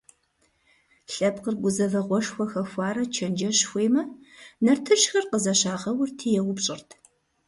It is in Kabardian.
Лъэпкъыр гузэвэгъуэшхуэ хэхуарэ чэнджэщ хуеймэ, нартыжьхэр къызэщагъэурти еупщӀырт.